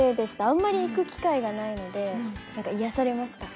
あんまり行く機会がないので癒やされました。